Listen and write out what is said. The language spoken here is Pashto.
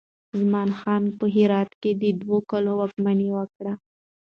زمان خان په هرات کې دوه کاله واکمني وکړه.